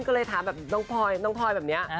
ก็เลยถามแบบน้องพลอยน้องพลอยแบบนี้